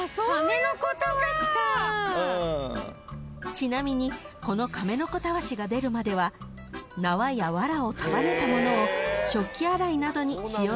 ［ちなみにこの亀の子束子が出るまでは縄やわらを束ねたものを食器洗いなどに使用していたそうです］